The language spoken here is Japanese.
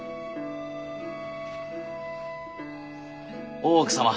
大奥様